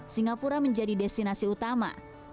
singapura menjadi destinasi utama